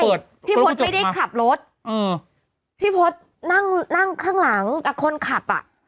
พี่พศไม่ได้ขับรถอืมพี่พศนั่งนั่งข้างหลังอ่ะคนขับอ่ะ